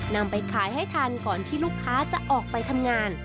นำไปขายให้ทันก่อนที่ลูกค้าจะออกไปทำงาน